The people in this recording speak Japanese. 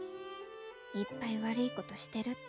いっぱいわるいことしてるって。